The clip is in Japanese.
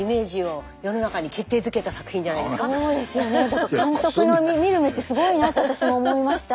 だから監督の見る目ってすごいなって私も思いました。